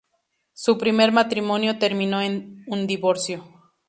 Su primer matrimonio terminó en un divorcio.